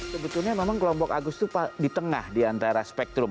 sebetulnya memang kelompok agus itu di tengah diantara spektrum